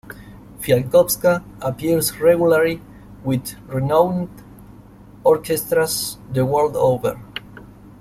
Fialkowska appears regularly with renowned orchestras the world over.